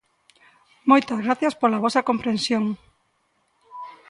Moitas grazas pola vosa comprensión.